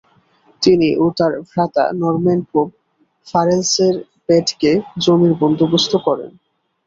তিনি ও তার ভ্রাতা নরম্যান পোপ ফারেলসের প্যাডকে জমির বন্দোবস্ত করেন।